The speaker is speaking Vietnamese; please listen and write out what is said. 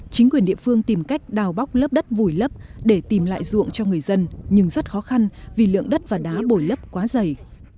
chính quyền địa phương tìm cách đào bóc lớp đất vùi lấp để tìm lại ruộng cho người dân nhưng rất khó khăn vì lượng đất và đá bồi lấp quá dày